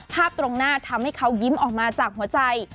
ตรงหน้าทำให้เขายิ้มออกมาจากหัวใจ